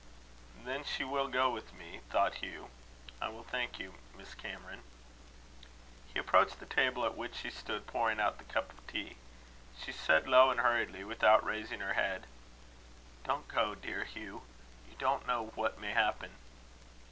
"Then she will go with me," thought Hugh. "I will, thank you, Miss Cameron." He approached the table at which she stood pouring out the cup of tea. She said, low and hurriedly, without raising her head: "Don't go, dear Hugh. You don't know what may happen."